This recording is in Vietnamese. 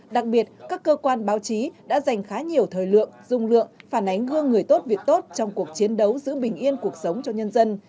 đặc biệt các cơ quan báo chí đã dành khá nhiều thời lượng dung lượng phản ánh gương người tốt việc tốt trong cuộc chiến đấu giữ bình yên cuộc sống cho nhân dân